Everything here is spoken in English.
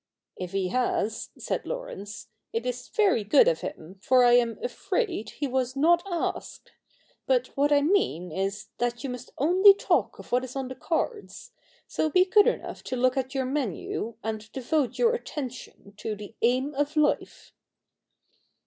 ' If he has,' said Laurence, ' it is very good of him, for I am afraid he was not asked. But what I mean is, that you must only talk of what is on the cards ; so be good enough to look at your menu^ and devote your attention to the Aim of Life.'